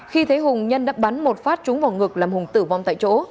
khi thấy hùng nhân đã bắn một phát trúng vào ngực làm hùng tử vong tại chỗ